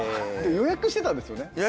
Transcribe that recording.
予約してたんですよね？